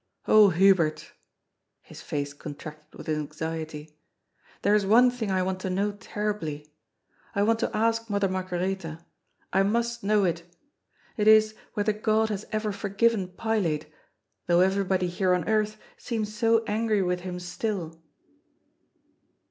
Oh, Hubert" — ^his face contracted with anxiety —" there is one thing I want to know terribly — I want to ask Mother Margaretha — I must know it It is whether God has ever forgiven Pilate, though everybody here on earth seems so angry with him still."